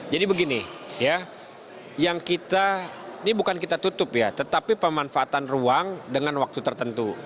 jadi begini ya yang kita ini bukan kita tutup ya tetapi pemanfaatan ruang dengan waktu tertentu